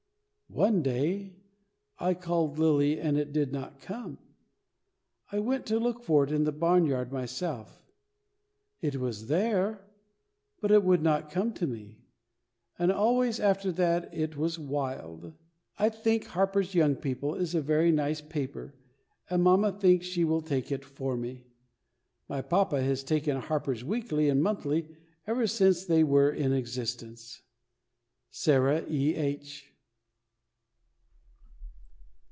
One day I called Lily, and it did not come. I went to look for it in the barn yard myself. It was there, but it would not come to me, and always after that it was wild. I think HARPER'S YOUNG PEOPLE is a very nice paper, and mamma thinks she will take it for me. My papa has taken HARPER'S WEEKLY and MONTHLY ever since they were in existence. SARAH E. H.